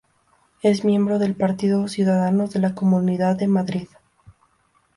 Es miembro del partido Ciudadanos de la Comunidad de Madrid.